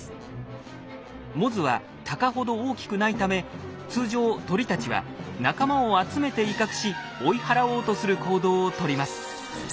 モズはタカほど大きくないため通常鳥たちは仲間を集めて威嚇し追い払おうとする行動を取ります。